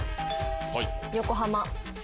横浜。